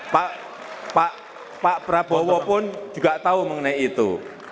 pak prabowo pun juga tahu mengenai itu